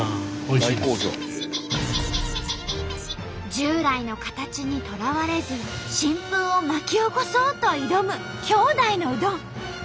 従来の形にとらわれず新風を巻き起こそうと挑む兄弟のうどん。